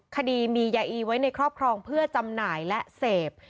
คดีมียาอีไว้ในครอบครองเพื่อจำหน่ายและเสพ